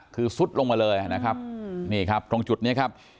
คือซุดลงมาเลยนะครับนี่ครับตรงจุดนี้ครับ